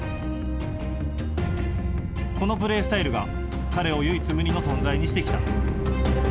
このプレースタイルが彼を唯一無二の存在にしてきた。